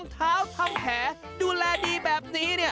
เจ็บมันหมดกับนี้เดียว